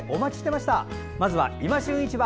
まずは「いま旬市場」